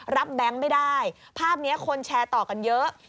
แบงค์ไม่ได้ภาพนี้คนแชร์ต่อกันเยอะ